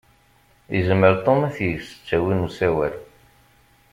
Yezmer Tom ad t-yeg s ttawil n usawal.